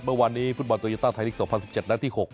เมื่อวานนี้ฟุตบอลโตโยต้าไทยลีก๒๐๑๗นัดที่๖